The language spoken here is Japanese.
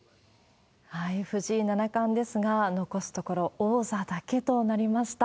藤井七冠ですが、残すところ、王座だけとなりました。